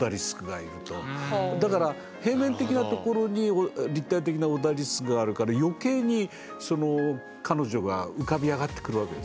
だから平面的なところに立体的なオダリスクがあるから余計にその彼女が浮かび上がってくるわけですよ。